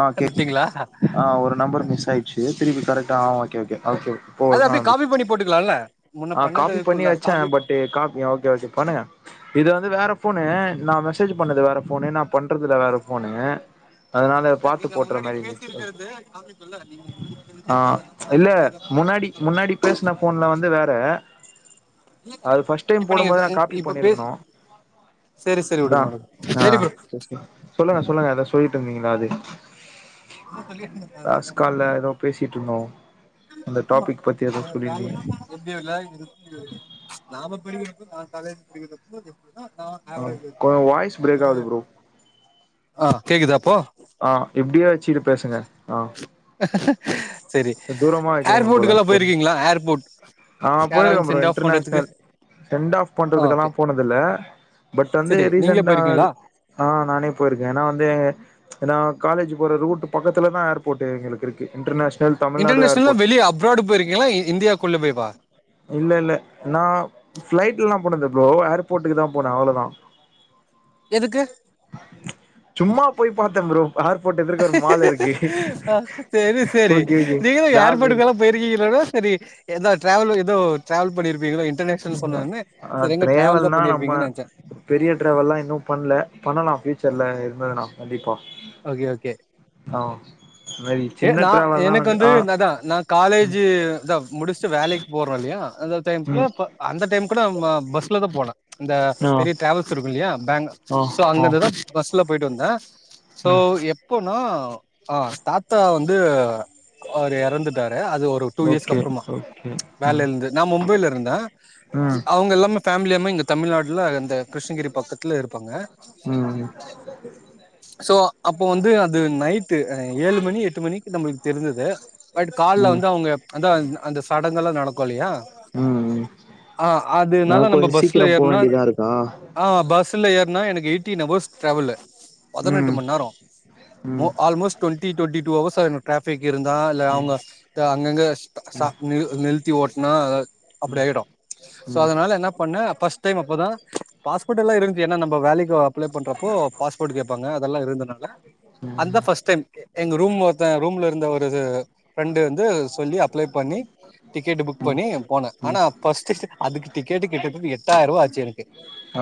ஆ கேக் ட்டீங்களா ஆ ஒரு நம்பர் மிஸ் ஆயிடுச்சு திருப்பி கரெக் ஆ ஓகே ஓகே ஓகே இப்போ அது ஆ அப்டியே காபி வந்துச்சு பண்ணி போட்டுக்கலா இல்ல ஆ காபி பண்ணி வச்சே பட்டு காப் ஓகே ஓகே பண்ணுங்க இது வந்து வேற போனு நா மெசேஜ் பண்ணது வேற போனு நா பண்றதுல வேற போனு அதனால பாத்து நீங்க போட்டுற முன்னாடி மாதிரி இருந்துச்சு ஓகே பேசிருக்கிறது காமிக்குல்ல நீங்க முன்னாடி பேசிட்டே ஆஹ் அந்த நம்பர் இல்ல அதுக்குள்ளே தான் இருக்கு. முன்னாடி அப்படியே காப்பி பண்ணி முன்னாடி பாருங்க. பேசன போன்ல வந்து வே ற இல்ல அத ஃபர்ஸ்ட் டைம் இப்ப நீங்க போடும்பது காப்பி இப்ப பண்ணி பேச இருக்கணு சரி சரி அதா விடுங்க விடுங்க அ சரி ப்ரோ பேசு சொல்லுங்க சொல்லுங்க எதோ சொல்லிட்டு இருந்தீங்களே அது என்ன சொல்யிருந்தே மறந்துட்டே லாஸ்ட் கால்ல ஏதோ பேசிட்டு இருந்தோ அந்த ஆமா டாபிக் பத்தி ஏதோ சொல்லிருந்தீங்க [unintelligible] [unintelligible] ஆ ஆவரேஜ் கொஞ்ச வாய்ஸ் பிரேக் ஆகுது ப்ரோ ஆஹ் கேக்குதா இப்போ ஆஹ் இப்படியே வச்சுட்டு பேசுங்க ஆஹ் செரி தூரமா வைக்கிறீங்க போல ஏர்போர்ட்டுக்கெல்லா இப்போ போயிருக்கீங்களா ஏர்போர்ட் ஆஹ் போயிருக்கே யாராவது ப்ரோ சென்ட் ஆஃப் பண்றதுக்கு இன்டர்நேஷனல் செண்ட் ஆஃப் பண்றதுக்கெல்லா ஓகே போனது இல்ல பட் வந்து செரி நீங்களே ரீசான்டா போயிருக்கீங்களா அ நானே போயிருக்கே ஏனா வந்து இப்ப நா காலேஜ் போற ரூட் பக்கத்துல தா ஏர்போர்ட் எங்களுக்கு இருக்கு இன்டர்நேஷஸ் இன்டர்நேஷனல்னா வெளிய அப்ராடு போயிருக்கீங்களா இ இந்தியாக்குள்ள போ வா இல்ல இல்ல நா பிளைட்ல எல்லா போனது இல்ல ப்ரோ ஏர்போர்ட்டுக்கு தா போனே அவ்ளோதா எதுக்கு சும்மா போய் பாத்தே ப்ரோ ஏர்போர்ட் எதிர்க்க ஒரு மால் இருக்கு செரி செரி ஓகே ஓகே நீங்க தா நாகூர் ஏர்போர்ட்டுக்கெல்லா போயிருக்கீங்களன்னா செரி எதோ ட்ரேவல்ல எதோ ட்ரேவெல் பண்ணிருப்பீங்ளோ இன் [unintelligible] ட்ரேவல்னா நம்ம பண்ணிருப்பீங்கன்னு நெனச்சே பெரிய ட்ரேவல்லா இன்னு பண்ல பண்ணலா பியூச்சர்ல எது வேனா கண்டிப்பா கே கே ஆ அது மாரி ஹே சின்ன நா டிராவல்லா எனக் வந்து ஆ நதா நா ம் காலேஜு முடிச்ட்டு வேலைக்கு போறே இல்லையா அந்த டைம் குள்ள ம் அப்ப அந்த டைம் கூட அம்ம பஸ்லத போன இந்த ஆ பெரிய டட்ராவல்ஸ் இருக்கு இல்யா பேங் ஆ சோ ஆ அங்கிருந்துதா பஸ் ட்ல போயிட்டு வந்த சோ எப்போனா அ தாத்தா வந்து அவரு எறந்துட்டாரு அது ஒரு டூ இயர்ஸ்கு ஓகே அப்றமா ஓகே ம் வேலைல இருந்து நா மும்பைல இருந்த ம் அவுங்க எல்லாமே ஃபேம்லி எம்மா இங்க தமிழ்நாட்ல இந்த கிருஷ்ணகிரி பக்கத்ல இருப்பாங்க ம் சோ அப்போ வந்து அது நைட்டு ஏழு மணி எட்டு மணிக்கு நம்புளுக்கு தெரிஞ்சிது பட் கால்ல ம் ம் வந்து அவுங்க அதா அந்த சட் டங்கள்லா நடக்கு இல்யா ம் ஆ ஆ அதுனால நம்ம கொஞ்ச சீக்கிர பஸ்ல போ ஏற்னா வேண்டியதா இருக்கா ஆ பஸ்ஸுல ஏற்னா எனக் ஏய்ட்டின்ஹவர்ஸ் ட்ராவெல்லு பதனெட்டு ம் மண் நேரோ மோ ம் almost twenty twenty two hours ஆயிரு ட்ராஃபிக் இருந்தா இல்ல அவுங்க த அங்கங்க ஸ்டா நில் நிலுத் தி ஓட்னா அ அப்டி ம் ஆயிடு ஸோ ம் அதனால என்ன பண்ண ஃபஸ் டைம் அப்பதா பாஸ் புட் எல்லா இருந்ச்சி ஏன்னா நம்ப வேலைக்கு அப்ளே பண்றப்போ பா பாங்க அதல்லா இருந்தனல்ல அந்த ஃபஸ்ட் டைம் எங்க ரூம் ஒருத்த ரூம்ல இருந்த ஒரு ருது ஃப்ரெண்டு வந்து சொல்லி அப்ளே பண்ணி டிக்கெட்டு புக் பண்ணி போனே ம் ஆனா ஃபஸ்ட்டுசு அதுக்கு டிக்கெட்டு கிட்டத்திட்டு எட்டாயிர்வா ஆச்சு எனுக்கு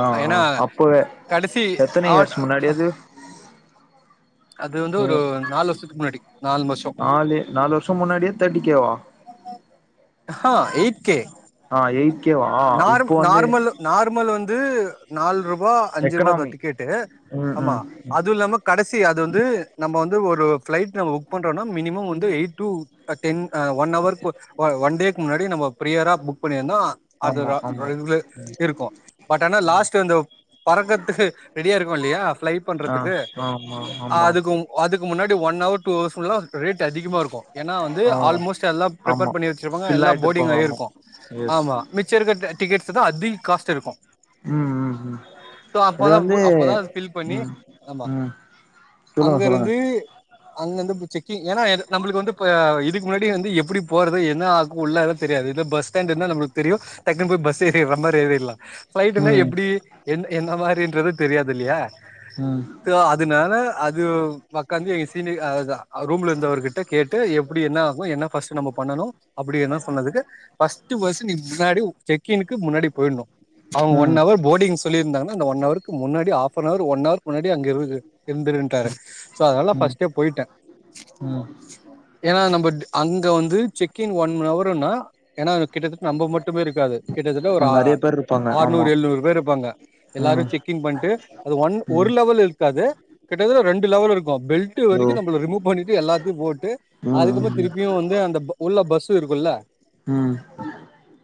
ஆ ஆ ஏன்னா அப்பவே கடசி எத்தன ஆட் இயர்ஸ் முன்னாடி அது அது வந்து நீ ஒரு நாலு வர்ஷ்த்துக்கு முன்னாடி நாலு வருஷோ நாலு நாலு வர்ஷ முன்னாடியே தேட்டி கேவா ஆஹா எயிட் கே ஆ எய்ட் கேவா இப்ப வந்து து நால்ரு பா அஞ்சுர்பா தா எக்கனாமி டிக்கெட்டு ம் ஆமா ம் அதுவு இல்லாம கடசி அது வந்து நம்ப வந் இது ஒரு ஃபிளைட் நம்ப புக் பண்றோன்னா மினிமம் வந்து eight to ten a one அவர்க்கு ஒன் டேக்கு முன்னாடி நம்ம ப்ரியரா புக் பண்ணி ன்னா அது ஆமா ரா ஆமா ரக்துவே இருக்கு பட் ஆனா லாஸ்ட் அந்த பறக்கதுக்கு ரெடியா இருக்கோ இல்லயா ஃப்ளை ஆ பண்றதுக்கு ஆமா ஆமா அதுக்கு அதுக்கு முன்னாடி ஒன் அவர் டூ ஹவர்ஸ் ஃபுல்லா ரேட் அதிகமா இருக்கும் ஏன்னா வந்து ஆ ஆல்மோஸ்ட் எல்லா ஆமா பிரிஃபர் பண்ணி வச்சிருப்பாங்க. ஃபில் எல்லா ஆயிட்டு போடிங் இருப்பாங்க ஆமா ஆயிருக்கு எஸ் ஆமா மிச்சம் இருக் டிக்கெட்ஸ் தா அதிக காஸ்ட் இருக்கு. உம் உம் உம் சோ இது அப்பதா வந்து அப்பதா ஃபில் பண்ணி உம் ஆமா உம் அங்க இருந்து அங்கந்து ங்க செக்கிங் ஏன்னா நம்மளுக்கு வந்து இதுக்கு முன்னாடி வந்து எப்டி போறது என்ன ஆகும் உள்ளனு தெரியாது இதே பஸ் ஸ்டாண்ட்னா நம்மளுக்கு தெரியும் டக்குனு போய் பஸ் தேடி நம்பர்ல ஏறிடல ஃப்ளைட்னா ம் எப்டி என் என்ன மாரின்றது தெரியாது இதில்லையா ம் த்து அதனால உம் ஒக்காந்து என் சீனியர் அதா ரூம்ல இருந்தவர்கிட்ட கேட்டு எப்டி என்னாகும் என்ன பஸ்ட் நம்ம பண்ணனும் அப்டியே நா சொன்னதுக்கு பஸ்ட் பஸ்ட் முன்னாடி செக்கிங்கு முன்னாடி போய்டணும் அவங்க ஒன் ம் அவர் போடிங் சொல்லிருந்தாங்க. அந்த ஒன் அவருக்கு முன்னாடி ஆப் அன் அவர் ஒன் அவர்க்கு முன்னாடி அங்க இருந்து இருந்துடு ட்டாரு ஸோ அதனால நா ம் பஸ்ட்டே போயிட்டே ம் ஏன்னா நம்ம டி அங்க வந்து செக் இன் ஒன் அவருன்னா ஏன்னா கிட்டத்தட்ட நம்ம மட்டுமே இருக்காது. கிட்டத்தட்ட அ ஒரு ஆறு நெறைய பேர் இருப்பாங்க ஆமா ஆறுநூறு எழுநூறு பேர் இருப்பாங்க. எல்லாரு ம் செக் இன் பண்ணிட்டு அது ஒன் ஒரு ம் லெவல் இருக்காது. கிட்டத்தட்ட ரெண்டு லெவல் இருக் வா பெலட்டு ஓ வரிக்கும் நம்பள ரிமூ பண்ணிட்டு எல்லாத்யு போட்டு ம் அதுக்கப்ப ம் திருப்பியும் வந்து அந்த ப் உள்ள பஸ் இருக்குல்ல ம் ம்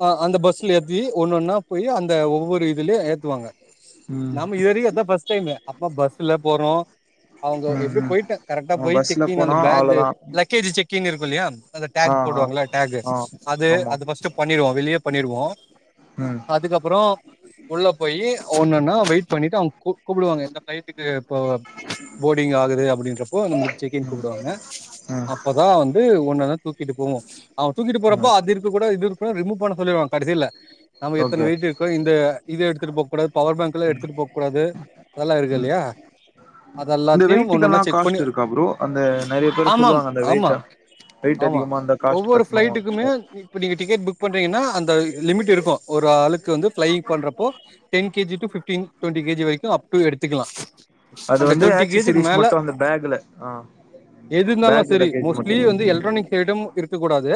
அ அந்த பஸ்ல ஏத்தி ஒன்னொன்னா போய் அந் த ஒவ்வொரு இதுலியும் ஏத்துவாங்க ம் நம்ம இதுவரியும் அதான் ஃபர்ஸ்ட் டைமு அப்ப பஸ்ல போறோம் அவுங்க எப்டி ம் போய்ட்டேன் கரெக்டா நம்ம போய் பஸ்ல செக்கிங் அந்த போனா பேகு அவ்ளோதா லக்கேஜி செக்கினு இருக்குல்லயா அந்த ஆ டேக் ஆ போடுவாங்கல்ல டேகு ஆ அது ஆமா அது ஃபர்ஸ்டு பண்ணிருவோம் வெளிய பண்ணி ருவோம் ம் அதுக்கப்புறோ உள்ள போயி ஒண்ணுன்னா வெயிட் பண்ணிட்டு அவுங்க கூப்டுவாங்க எந்த ஃப்ளைட்டுக்கு எப்போ போடிங் ஆகுது அப்புடின்றப்போ நம்புளுக்கு செக்கின் ம் கூப்டுவாங்க ம் அப்பதான் வந் து ஒன்னொன்னா தூக்கிட்டு போவோம் அவன் தூக்கிட்டு போறப்போ ம் அது இருக்க கூட இது இருக்க கூடாது ரிமூவ் பண்ண சொல்லிர்வான்க கடசில நம்ம எத்தன ஓகே வெயிட்டு இருக்கோ இந்த இத எடுத்துட்டு போக் கூடாது பவர் பேங்க்லாம் எடுத்துட்டு போக்கூடாது அதல்லா ம் இருக்யில்லையா இந்த வெயிடக்கெல்லா காஸ்ட் இருக்கா ப்ரோ அந்த நெறைய பேரு ஆமாம் சொல்லுவாங்க அந்த ஆமா வெயிடா வெயிட் ஆமா அதிகமாருந்தா காஸ்ட் ஒவ்வொரு கட்ணும் ஃபிளைட்டுக்குமே இப்ப நீங்க டிக்கெட் புக் பண்றீங்ன்னா அந்த லிமிட் இருக்கும் ஒரு ஆளுக் க்கு வந்து ஃப்லைங் பண்றப்போ ten KG to fifteen twenty KG வரக்கும் அப் டூ எடுத்துகுக்கலா அது அந்த வந்து டொண்டி கேஜிக்கு ஆக்சசரிஸ் மேல மட்டு அந்த பேக்ல ஆ எதுந்தாலும் பேக் செரி லக்கேஜ் மட்டு மோஸ்ட்லி வந்து எல்ட்ரானிக்ஸ் ஐடம் இருக்க கூடாது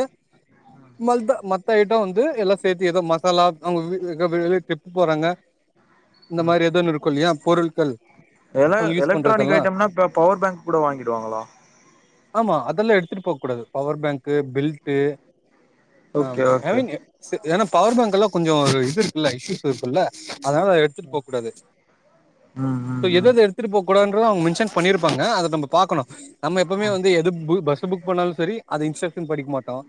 மல்தா மத்த ஐட்டம் வந்து எல்லான் சேத்தி எதோ மசாலா அவுங்க [unintelligible] ட்ரிப் போறாங்க இந்த மாரி எதோன்னு இருக்கும் இல்லியா பொருள்கள் எல எலக்ட்ரானிக் ஐட்டம்னா ப்ப பவர் பேங்க் கூட வாங்கிடுவாங்களா ஆமா அதல்லாம் எடுத்துட்டு போக கூடாது பவர் பேங்க்கு பெல்ட்டு அஹ் ஓகே ஓகே [unintelligible] ஏன்னா பவர் பேங்க் எல்லாம் கொஞ்சோ ஒரு இது இருக்குல்ல இஷ்யூஸ் இருக்குல்ல அதனால எடுதுட்டு போக கூடாது ம் ம் சோ ம் எதெது எ ம்ப கூடாதுன்ற அவ்ங்க மென்ஷன் பண்ணிருப்பாங்க அத நம்ப பாக்கணும் நம்ம எப்பமே வந்து எது பு பஸ் து புக் பண்ணாலும் சரி அது இன்ஸ்ரக்ஷன் படிக்க மாட்டோம்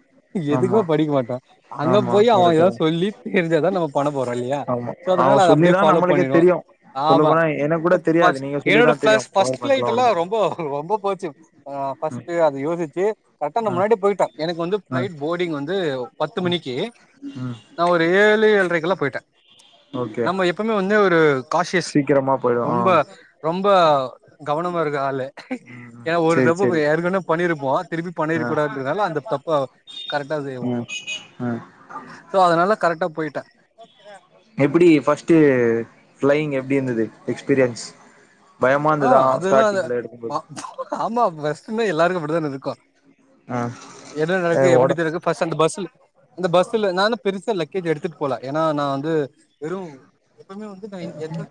ஆமா எதுக்குமே படிக்க மாட்டோம் அங்க ஆமா போய் அவன் கரெக்ட் எதா தா சொல்லி தெரிஞ்சாதான் நம்ம பண போ ஆமா அவன் சொல்லிதான் நம்மளுக்கே பண்ணிடுவோ தெரியும் சொல்ல ஆமா போனா எனக் கூட தெரியாது ஃபஸ்ட் நீங்க என்னோட சொல்லிதா தெரியு ஃப்லஸ் ஃபர்ஸ்ட் பவர் ஃப்ளைட் பேங்க்லா விட எல்லாம் மாட்டாங்க ரொம்போ ரொம்ப போச்சு ஆஹ் ம் ஃபர்ஸ்ட்டு அத யோசிச்சு கரெக்டா நா ஆ முன்னாடி போய்ட்டோ எனக்கு வந்து ஆ ஃப்ளைட் போடிங் வந்து பத்து மணிக்கு ம் நான் ஒரு ஏ ஏழு ஏழ்றைக்கல்லா போய்ட்டே ஓகே நம்ம எப்பவுமே வந்து ஒரு காஷியஸ் சீக்கிரமா போயிடு ஆ ரொம்ப பா கவனமா இருக்க ஆலு ம் ஏ ஒரு சேரி தப்பு பொ சேரி ஏற்கனே பண்ணிருப்போ திருப்பி ஆ பண்ணிருக் கூடாதுன்றனால அந்த தப்ப கரெக்டா செய்வோ ம் ம் சோ அதுனால கரெக்டா போயிட் ட்டே எப்பிடி ஃபஸ்ட்டு ஃப்ளையிங் எப்டி இருந்தது எக்ஸ்பிரியன்ஸ் ஆஹ் அதுல்லால ப ஆமா ஃபஸ்ட்டுமே எல்லாருக்கு அப் அப்டிதான இருக்கு ஆ என்ன ஆ நடக்கு ஓட எப்டி திருக்கு ஃபஸ்ட் அந்த பஸ்ல அந்த பஸ்ல நானு பெருசா லக்கேஜ் எடுத்துட் போல ஏன்னா நா வந்து வெறும் எப்பவுமே வந்து ந எந்த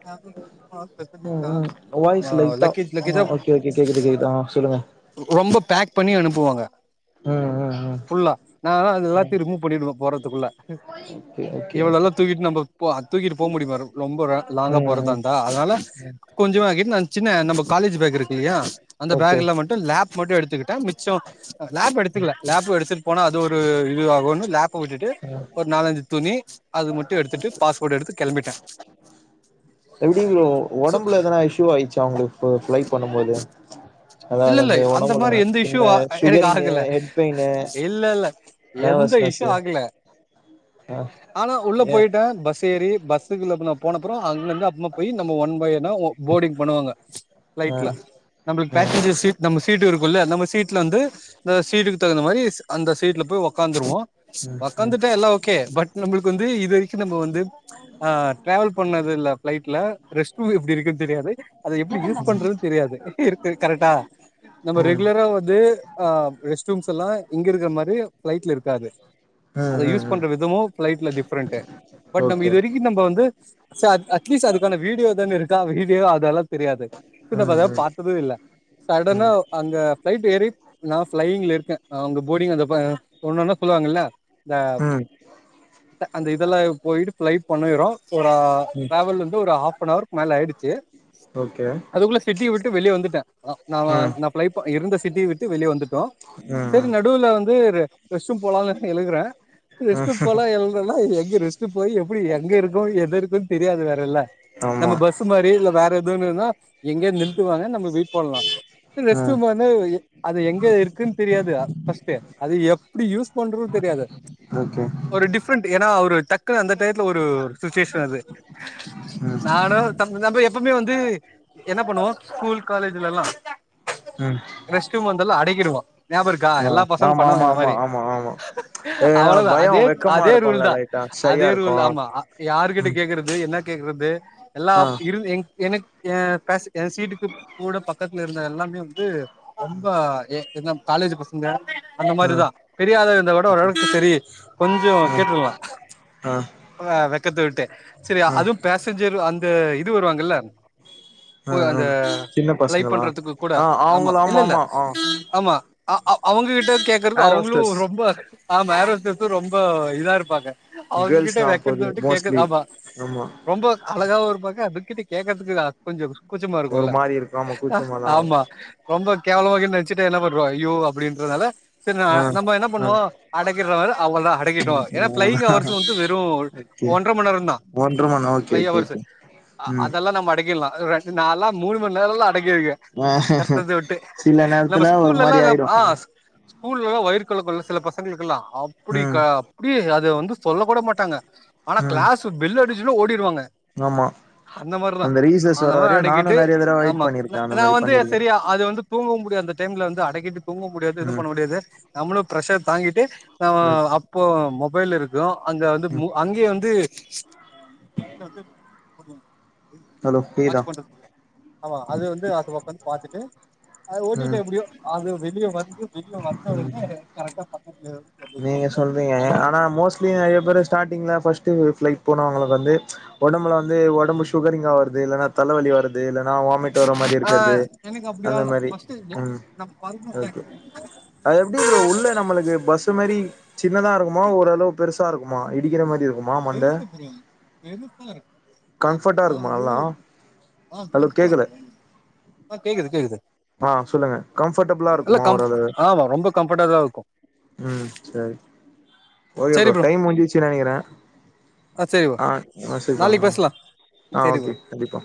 ம் ம் [inaudible] வாய்ஸ் லைட்டா லக்கேஜ் லக்கேஜா அஹ் ஓகே ஓகே கேக்குது கேக்குது ஆஹ் சொல்லுங்க ரொம்ப பேக் பண்ணி அனுப்புவாங்க ம் ம் ம் ஃபுல்லா நா அது ம் எல்லாதி ரிமூவ் பண்ணிடுவே போறத்துக்குள்ள ஓகே ஓகே ஓகே இவளள்ளா தூக்கிட் நம்ப போ அ தூக்கிட்டு போக முடியுமா ரொ ரொம்ப ரே லாங்கா ம் ம் போறதான்ந்தா அதுனால ம் கொஞ்சோ அங்கே அ சின்ன நம்ப காலேஜ் பேக் இருக் இல்யா அந்த ஓகே பேக்ல மட்டு லேப் மட்டு எடுத்துக்குட் டே மிச்சோ லேப் எடுத்துக்ல லேப்பு எடுத்துட் போன அது ஒரு இது ஆகோன்னு லேப்பு விட்டுட்டு ம் ஓர் நாலஞ்சு துணி அது மட்டு எடுத்துட்டு பாஸ்போர்ட் எடுத்து கெள்ம்பிட்டே எப்டி ஒ உடம்புல எதனா இஷு ஆயிச் ட அவங்ளுக்கு பிளை பண்ணும்போது இல்லல்லை அந்த மாரி எந்த இஷ்யூ ஆ எனக்கு சுகரிங்கு ஆகுல ஹெட் பெயினு இல்லல்ல எந்த இஷ்யூ நர்வஸ்னஸ்ஸு ஆகுல ஆ ஆனா உள்ள ஏ போயிட்டே பஸ் ஏறி பஸ்சுகுள்ள அப்ப நா போனப்புறோ அங்கந்து அப்மா போயி நம்மொ ஒன் பை யன்ன ஒ போர்டிங் பண்ணுவாங்க ஆ ஃப்ளைட்ல நம்ளுக் ஆ பேசன்ஜர் சீட் நம்ம சீட்டு இருக்குல்ல நம்ம சீட்லந்து ந்தா சீட்டுக்கு தகுந்த மாரீஸ் அந்த சீட்ல போய் ஒக்காந்துருவோ ம் ம் ம் ஒக்காந்துட்டா எல்லா ஓகே பட் நம்ளுக்கு வந்து இதுவரைக்கும் வரிக்கு நம்ப வந் து ஆ ட்ராவல் பண்ணது இல்ல ஃப்ளைட்ல ரெஸ்ட் ரூம் எப்டி இருக்குன் தெரியாது அத எப்டி யூஸ் பண்றதுன் தெரியாது திர் கரெட்டா நம்ம ம் ரெக்லரா வந்தூ ஆ ரெஸ்ட் ரூம்ஸ் எல்லா இங்க இருக்க மாரி ஃப்ளைட்ல இருக் காது ம் அத ம் யூஸ் ம் பன்ற விதமு ஃப்ளைட்ல டிஃப்ரண்டு பட் நம் ஓகே இது வரிக்கு நம்போ வந்து சாத் அட்லீஸ்துக்கான வீடியோ தான இருக்கா வீ ன் தெரியாது இப்ப ந ம் அதல்லாம் ம் பார்த்ததும் இல்ல சடனா ம் ம் அங்க பிளைட் வேறி நான் பிளைிங்ல இருக்கே அவங்க போர்டங் அந்த ஒண்ணுன்னா சொல்லுவாங்கல்ல அது ம் அந்த இதுல போயிட்டு பிளைட் பண்ணிரோம் ஒரு டிராவல் வந்து ஒரு ஹாப் ஆ அவவர் மேல ஆயிடுச்சு ஓகே அதுக்குள்ள சிட்டி விட்டு வெளியே வந்துட்டே ஆ ந ம் நான் பைய் இருந்த சிட்டியை விட்டு வெளிய வந்துட்டு ம் சரி ம் நடுல வந்து ரெஸ்ட்ரூம் லாம்னு எழுகுறே ரெஷ்ட் ம் போலா எல்னா ரெஷ்ட் போய் எப்படி அ ங்க இருக்கோ எத இருக்கும்ன்னு தெரியாது வேரல்ல நம்ம ஆமா பஸ் மாரி இல்ல வேற எதுன்னுன்னா எங்கேய நிருத்துவாங்க நம்ம வீட் போலா ம் ரெஸ்ட்ரூம் வந்து அது எங்க இருக்குன்னு தெரியாது ஃபஸ்ட்டு அது எப்படி யூஸ் பண்ற தெரியாது ஓகே ஒரு டிஃப்ரெண்ட் ஏன்னா ஒரு டக்குன்னு அந்த டைத்துல ஒரு சுச்சுவேஷன் அது ம் நானு நம்ம எப்பவுமே வந்து என்ன பண்ணுவோ ஸ்கூல் காலேஜ் லலா ம் ரெஸ்ட்ரூம் வந்தாலு அடக்கிடுவா ஞாபகருக் கா ஆ எல்லா பசங்க ஆமா பண்ணுவாங்க ஆமா இந்த ஆமா மாரி ஆமா ஆமா ஏன்னா அவ்ளவுதா பயோ அதே வெக்கமா அதே ரூல் இருக்குல்ல தா லைட்டா ஷையா அதே இருக்கு ரூல் ஆமா யாரு கிட்ட ம் கேக்குறது என்ன கேக்குறது எல்லா ஆ இரு என எனக்கு ஏ பேச என் சீட்டுக்கு பக்கத்துல இருந்த எல்லாமே வந்து ரொம்ப என்ன காலேஜ் பசங்க அந்த ஆ மாரிதா பெரியாத இருந்தா கூட ஓகே ஓரளவுக்கு சரி கொஞ்ச ஆ கேட்டுரலா ஆ வெக்கத்து விட்டு சரி ஆ அதுவு பேசஞ்சர் அந்த இந்த இது வருவாங்கல்ல போய் அந்த என்ன லைவ் பசங்களா பண்றதுக்கு கூட ஆஹ் அவங்கள ஆமாம்மா ஆ அஹ் அவங்க வீட்டு கேக்குறது ஏர் அவங்களு ஹோஸ்டர்ஸ் ரொம்ப ஆமா ஏர்ஹோஸ்டர்ஸு ரொம்ப இதா இருப்பாங்க கேர்ள்ஸ் அவங்ககிட்ட தா வெக்கத்த போது விட்டு கேக்குது மோஸ்ட்லி ஆமா ஆமா ரொம்ப அழகாவு இருப்பாங்க அதுக்கிட்ட கேக்கறதுக்குதா கொஞ்சம் கூச்சமா ஒரு இருக்குல்ல மாரி இருக்கு ஆமா கூச்சமாதா ஆமா இருக்கு ரொம்ப கேவலமாகு நினைச்சிட்டா என்ன பண்ண ஐயோ அப்டின்றதுனால சரி ஆ நம்ம என்ன ஆ பண்ணுவோ அடைக்கிறவ அவ்ள தா அடக்கிட்டோ ம் ஏன்னா பிளைங் அவ்ளோதா அவர்ஸ் வந்து வெறு ஓகே ஒன்ற மணி நேரம் தா ஒன்ற மணி okay fly okay hours okay ம் அதெல்லா நம்ம அடக்கிடலா நாலா மூணு [unintelligible] அடக்கிருக்கே ஆ கஷ்டத்த விட்டு சில நம்ம நேரத்துல ஒரு ஸ்கூல்ல எல்லா மாரி ஆயிடு ஆஹ் ஸ்கூல்ல எல்லா வயிறு கலக்குள்ள சில பசங்களுக்குல்லா அப்டி க ம் அப்டி அத வந் சொல்ல கூட மாட்டாங்க ஆனா ம் க்ளாஸ் பெல்லு அடிச் உள்ள ஓடிடுவாங்க ஆமா அந்த ரீசஸ் அந்த வர மாரி வர அடக்கிட்டு நானும் நெறையா தடவ வெயிட் ஆமா நா பண்ணிருக்கே அந்த நா மாரி வந்து பண்ணிருக்கே சரியா அது வந்து தூங்கவு முடியாது டைம்ல வந்து அடக்கிட்டு தூங்க முடியாது இது ம் பண்ண முடியாது நம்ளு ப்ரஷர் தாங்கிட்டு ஆ ஓகே அப்போ மொபைல் இருக்கும் அங்க வந்து ம் அங்கேயு வந்து அ வீட்ல வந்து மூடி [unintelligible] ஹலோ பீ தா ஆமா அது வந்து அது பக்கந்து பாத்துட்டு து ஓட்டட்டே ம் எப்டியோ [unintelligible] நீயு வந் வெளிய ம் வந்தவுடனே கரெக்டா பன்னண்ட்டு நீங்க சொல்றீங்க ஆனா மோஸ்ட்லி நெறைய பேர் பன்ற ஸ்டாடிங்ல ஃபர்ஸ்டு ப்ளைட் போனவங்ளுக்கு வந்து ஒடம்புல வந்து ஒடம்பு சுகரிங்கா வருது இல்லனா தலவலி வருது இல்ல அதா வாமிட் வர்ற மாரி ஆ இருகற்து எனக்கு அப்படி அந்த ஆகல மாரி ஃபர்ஸ்ட் ம் நம்ம பறந்தோம்ல ஒகே அது எப்டி ப்ரோ உள்ள நம்மளுக்கு பஸ் சின்னதா இருக்குமா ஓரளவு பெருசா இருக்குமா இடிகிற மாரி இருக் ஆ கம்ஃபர்ட்டா இருக்குமா நல்லா? ஹலோ கேக்கல. கேகுது கேகுது ஆ சொல்லுங்க கம்ஃபர்டபுள்ளா இருக்குமா கம் ஒரளவு ஆமா ரொம்ப கம்ஃபர்டா தா இருக்கு உம் சேரி ஓகே ப்ரோ டைம் முடுஞ்சுன்னு நெனக்றே ஆ சரி ப்ரோ ஆ செரிப்பங்க நாளைக்கு பேசலா ஆ அ சரி ப்ரோ ஓகே கண்டிப்பா